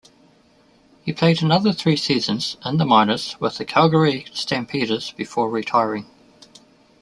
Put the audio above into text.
He played another three seasons in the minors with the Calgary Stampeders before retiring.